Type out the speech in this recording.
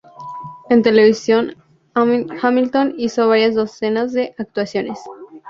En televisión, Hamilton hizo varias docenas de actuaciones.